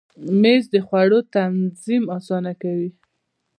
مېز د خوړو تنظیم اسانه کوي.